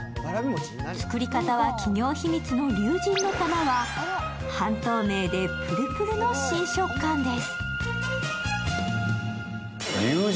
作り方は企業秘密の龍神の玉は、半透明でぷるぷるの新食感です。